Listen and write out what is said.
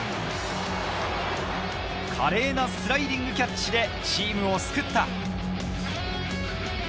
華麗なスライディングキャッチでチームを救った。